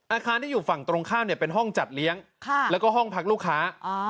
อาคารที่อยู่ฝั่งตรงข้ามเนี่ยเป็นห้องจัดเลี้ยงแล้วก็ห้องพักลูกค้า